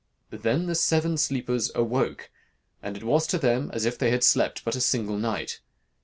Then the seven sleepers awoke, and it was to them as if they had slept but a single night.